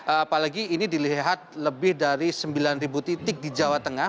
apalagi ini dilihat lebih dari sembilan titik di jawa tengah